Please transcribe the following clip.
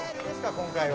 今回は」